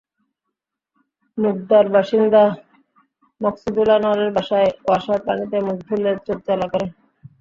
মুগদার বাসিন্দা মকসুদুল আনোয়ারের বাসায় ওয়াসার পানিতে মুখ ধুলে চোখ জ্বালা করে।